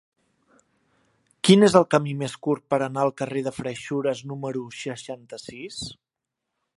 Quin és el camí més curt per anar al carrer de Freixures número seixanta-sis?